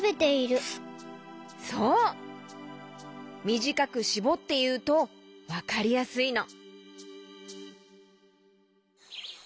みじかくしぼっていうとわかりやすいの。